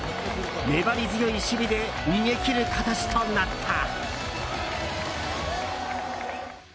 粘り強い守備で逃げ切る形となった。